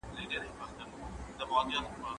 د جنايت مخه په سزا اخيستل کېږي.